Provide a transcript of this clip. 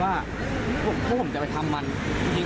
ด้านนอกมีเรื่องกันเองแต่เขาเคยทำงานที่นี่น่ะ